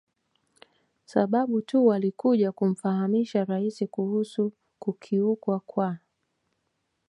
sababu tu walikuja kumfahamisha Rais kuhusu kukiukwa kwa